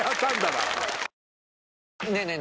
ねえねえ